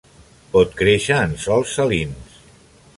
Pot créixer en sòls salins.